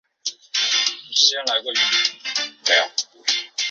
宜兰县礁溪乡二龙村成为兰阳汉人最早居住开发的地区。